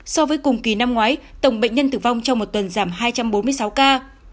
so với cùng kỳ năm ngoái tổng bệnh nhân tử vong trong một tuần giảm hai trăm bốn mươi sáu ca